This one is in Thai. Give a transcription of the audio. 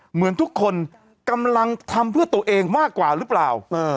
เหมือนทุกคนกำลังทำเพื่อตัวเองมากกว่าหรือเปล่า